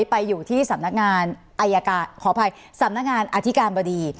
ไปอยู่ที่สำนักงานอาทิการบดี